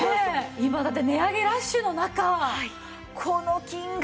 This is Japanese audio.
今だって値上げラッシュの中この金額は。